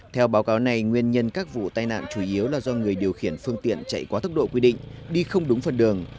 theo báo cáo này nguyên nhân các vụ tai nạn chủ yếu là do người điều khiển phương tiện chạy quá tốc độ quy định đi không đúng phần đường